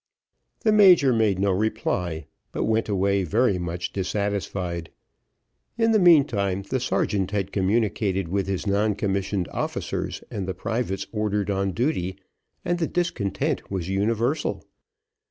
The major made no reply, but went away very much dissatisfied. In the meantime, the sergeant had communicated with his non commissioned officers and the privates ordered on the duty, and the discontent was universal.